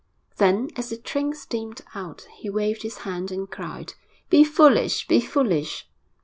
Then, as the train steamed out, he waved his hand and cried, 'Be foolish! Be foolish!'